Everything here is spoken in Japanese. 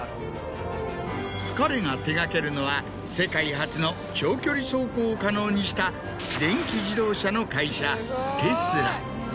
彼が手掛けるのは世界初の長距離走行を可能にした電気自動車の会社テスラ。